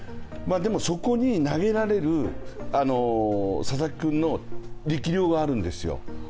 でも、そこに投げられる佐々木君の力量があるんですよ。